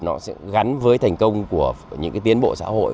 nó sẽ gắn với thành công của những cái tiến bộ xã hội